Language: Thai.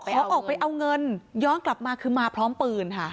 ขอออกไปเอาเงินย้อนกลับมาคือมาพร้อมปืนค่ะ